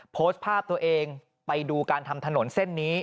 โพสต์ภาพตัวเองไปดูการทำถนนเส้นนี้